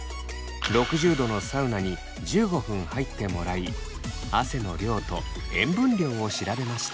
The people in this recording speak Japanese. ６０℃のサウナに１５分入ってもらい汗の量と塩分量を調べました。